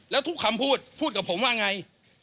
แล้วทุกคำพูดพูดกับผมว่าไง